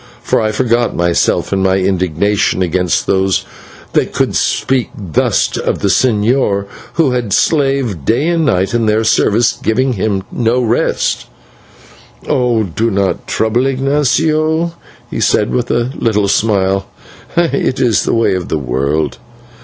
for I forgot myself in my indignation against those that could speak thus of the señor, who had slaved day and night in their service, giving himself no rest. "Do not trouble, Ignatio," he said, with a little smile, "it is the way of the world.